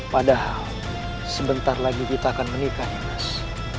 padahal sebentar lagi kita akan menikah ya mas